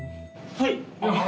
はい。